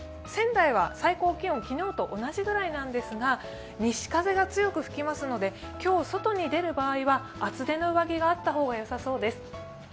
仙台は最高気温が昨日と同じぐらいなんですが西風が強く吹きますので今日、外に出る場合は厚手の上着があった方がよさそうです。